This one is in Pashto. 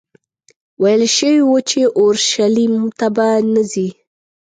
ویل شوي وو چې اورشلیم ته به نه ځې.